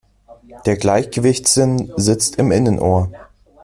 Der Gleichgewichtssinn sitzt im Innenohr.